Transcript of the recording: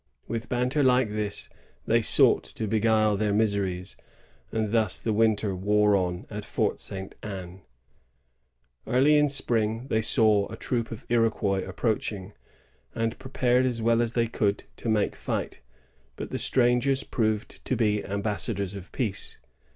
With banter like this, they sought to beguile their miseries; and thus the winter wore on at Fort St. Anne.^ Early in spring they saw a troop of Iroquois approaching, and prepared as well as they could to make fight; but the strangers proved to be ambassa dors of peace.